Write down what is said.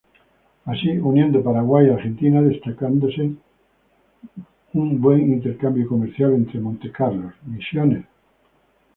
Así uniendo Paraguay y Argentina destacándose un buen intercambio comercial ente Monte Carlos, Misiones.